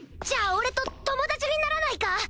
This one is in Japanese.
じゃあ俺と友達にならないか？